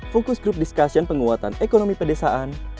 fokus grup diskusi penguatan ekonomi pedesaan